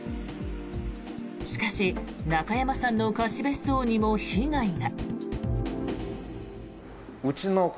しかし中山さんの貸別荘にも被害が。